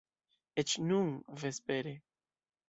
Eĉ nun, vespere.